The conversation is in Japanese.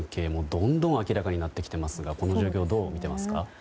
どんどん明らかになってきていますがこの状況をどう見ていますか？